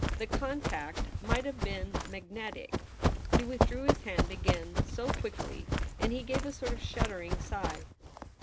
The contact might have been magnetic, he withdrew his hand again so quickly ; and he gave a sort of shuddering sigh.